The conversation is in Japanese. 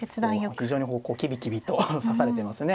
非常にキビキビと指されてますね。